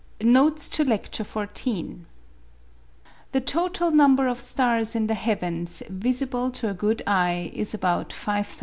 NOTES TO LECTURE XIV The total number of stars in the heavens visible to a good eye is about 5,000.